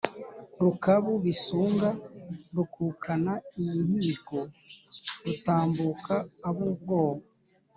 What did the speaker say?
Rukabu bisunga rukukana imihigo, rutambuka ab’ubwoba,